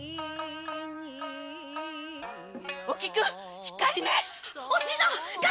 おきくしっかりね。